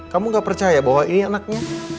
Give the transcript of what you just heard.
kamu gak percaya bahwa ini anaknya